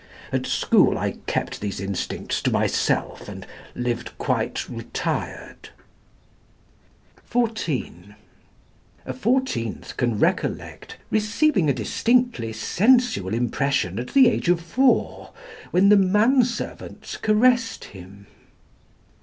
At school I kept these instincts to myself, and lived quite retired." (14) A fourteenth can recollect "receiving a distinctly sensual impression at the age of four, when the man servants caressed him."